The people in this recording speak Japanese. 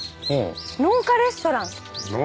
「農家レストラン」！